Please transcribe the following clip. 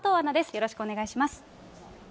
よろしくお願いします。